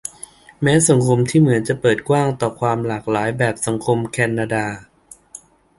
แม้สังคมที่เหมือนจะเปิดกว้างต่อความหลากหลายแบบสังคมแคนนาดา